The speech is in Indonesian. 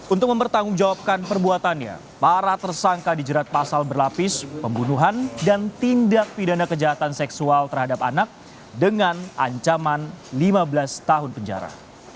untuk mempertanggungjawabkan perbuatannya para tersangka dijerat pasal berlapis pembunuhan dan tindak pidana kejahatan seksual terhadap anak dengan ancaman lima belas tahun penjara